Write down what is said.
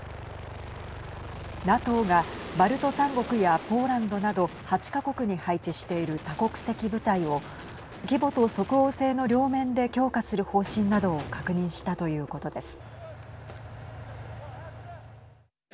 ＮＡＴＯがバルト３国やポーランドなど８か国に配置している多国籍部隊を規模と即応性の両面で強化する方針などを確認したということです。